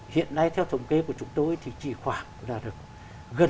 hiện nay theo thống kê của chúng tôi thì chỉ khoảng là được gần bốn mươi